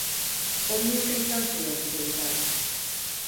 Hori uste izan zuen, behintzat.